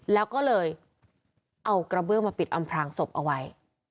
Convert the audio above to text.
แล้วก็เลยเอากระเบื้องมาปิดอำพลางศพเอาไว้